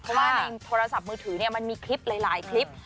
เพราะว่าในโทรศัพท์มือถือมันมีคลิปหลายคลิป